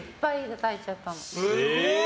すごい！